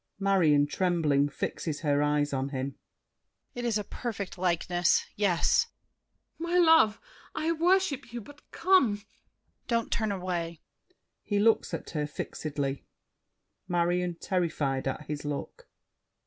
[Marion, trembling, fixes her eyes on him. It is a perfect likeness! Yes. MARION. My love, I worship you, but come! DIDIER. Don't turn away! [He looks at her fixedly. MARION (terrified at his look).